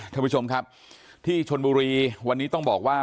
ท่านผู้ชมครับที่ชนบุรีวันนี้ต้องบอกว่า